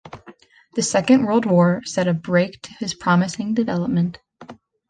The Second World War set a break to his promising development.